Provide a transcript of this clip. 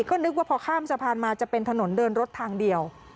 ก็นึกว่าพอข้ามสะพานมาจะเป็นถนนเดินรถทางเดียว